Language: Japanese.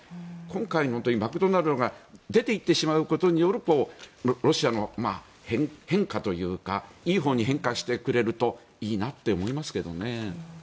今回、マクドナルドが出ていってしまうことによるロシアの変化というかいいほうに変化してくれるといいなって思いますけどね。